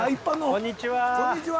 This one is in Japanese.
こんにちは。